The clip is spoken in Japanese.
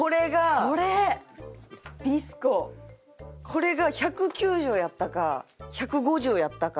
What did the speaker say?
これが１９０やったか１５０やったか。